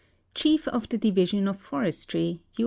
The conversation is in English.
Chief of the Dirislon of Forestru, U.